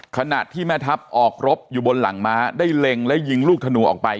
ขณะที่แม่ทัพออกรบอยู่บนหลังม้าได้เล็งและยิงลูกธนูออกไป